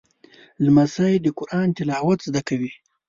لمسی د قرآن تلاوت زده کوي.